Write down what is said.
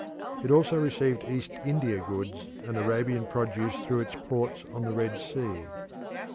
It also received East India goods and Arabian produce through its ports on the Red Sea.